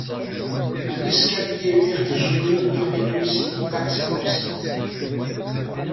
Un escalier vertigineux permet aussi l'accès au site.